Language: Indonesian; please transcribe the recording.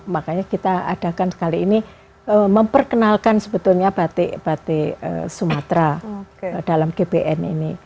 makanya kita adakan sekali ini memperkenalkan sebetulnya batik batik sumatera dalam gbn ini